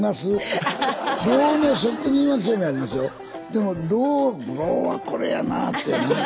でも櫓櫓はこれやなってね。